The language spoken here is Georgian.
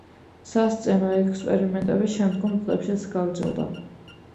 სასცენო ექსპერიმენტები შემდგომ წლებშიც გაგრძელდა.